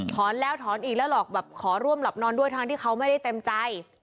ถอนแล้วถอนอีกแล้วหรอกแบบขอร่วมหลับนอนด้วยทั้งที่เขาไม่ได้เต็มใจ